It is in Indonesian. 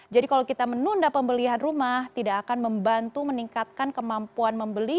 jadi kalau kita menunda pembelian rumah tidak akan membantu meningkatkan kemampuan membeli